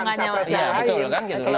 pertanyaannya di situ